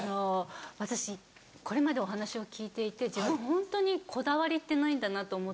私これまでお話を聞いていて自分ホントにこだわりってないんだなと思ったんですよ。